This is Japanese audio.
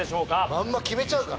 まんま決めちゃうかな。